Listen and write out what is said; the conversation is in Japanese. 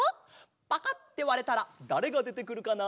パカッてわれたらだれがでてくるかな？